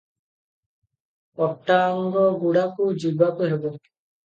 ଅଟାଙ୍ଗଗୁଡାକୁ ଯିବାକୁ ହେବ ।